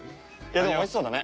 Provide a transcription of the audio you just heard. でも美味しそうだね。